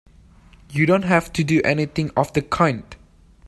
You don't have to do anything of the kind!